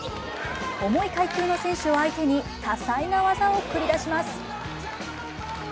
重い階級の選手を相手に、多彩な技を繰り出します。